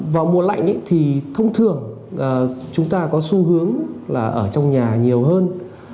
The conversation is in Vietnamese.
vào mùa lạnh thì thông thường chúng ta có xu hướng là ở trong nhà nhiều hơn